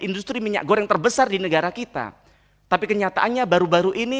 industri minyak goreng terbesar di negara kita tapi kenyataannya baru baru ini